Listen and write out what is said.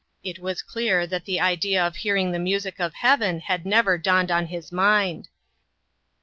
It was clear that the idea of hearing the music of heaven had never dawned on his mind.